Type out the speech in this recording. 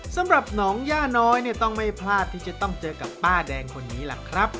สำหรับหนองย่าน้อยเนี่ยต้องไม่พลาดที่จะต้องเจอกับป้าแดงคนนี้ล่ะครับ